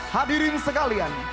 hadirin sekali lagi